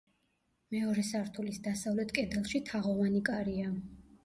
მეორე სართულის დასავლეთ კედელში თაღოვანი კარია.